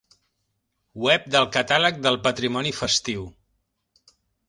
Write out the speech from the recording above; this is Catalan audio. Web del Catàleg del Patrimoni Festiu.